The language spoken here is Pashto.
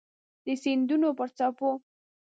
د سیندونو پر څپو